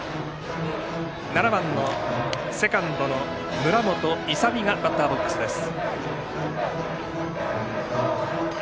７番のセカンドの村本勇海がバッターボックスです。